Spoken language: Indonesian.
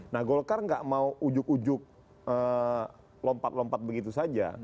nah golkar nggak mau ujuk ujuk lompat lompat begitu saja